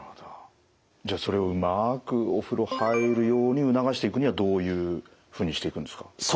じゃあそれをうまくお風呂入るように促していくにはどういうふうにしていくんですか？